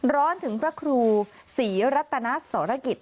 ร้อนถึงพระครูศรีรัตนสรกิจ